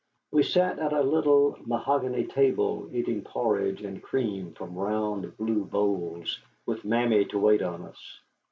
We sat at a little mahogany table eating porridge and cream from round blue bowls, with Mammy to wait on us.